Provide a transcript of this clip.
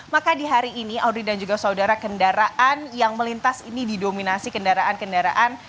maka di hari ini audi dan juga saudara kendaraan yang melintas ini didominasi kendaraan kendaraan